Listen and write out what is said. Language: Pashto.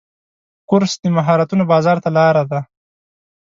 کورس د مهارتونو بازار ته لاره ده.